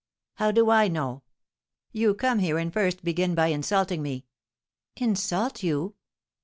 "How do I know! You come here, and first begin by insulting me." "Insult you?"